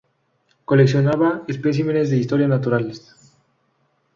Coleccionaba especímenes de historia naturales.